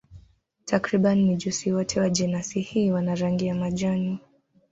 Takriban mijusi wote wa jenasi hii wana rangi ya majani.